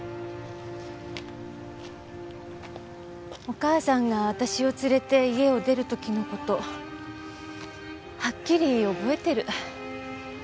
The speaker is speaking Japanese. お母さんが私を連れて家を出る時の事はっきり覚えてる。